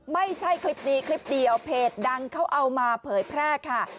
ไม่ใช่คลิปนี้คลิปเดียวเพจดังเขาเอามาเผยแพร่ค่ะ